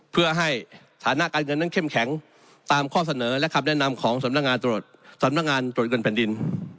เพื่อให้ฐานะการเงินนั้นเข้มแข็งตามข้อเสนอและคำแนะนำของสำนักงานตรวจสำนักงานตรวจเงินแผ่นดิน